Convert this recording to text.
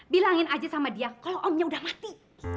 bilangin aja sama dia kalau omnya udah mati